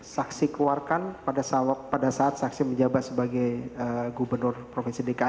saksi keluarkan pada salat pada saat saksi menjawab sebagai gubernur profesi dki